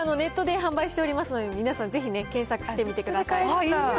こちらのネットで販売しておりますので、皆さん、ぜひね、検索してみてください。